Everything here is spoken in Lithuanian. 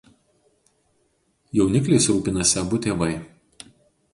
Jaunikliais rūpinasi abu tėvai.